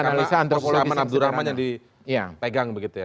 karena posul aman abdurrahman yang dipegang begitu ya